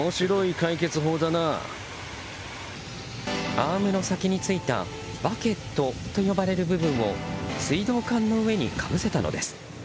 アームの先についたバケットと呼ばれる部分を水道管の上に、かぶせたのです。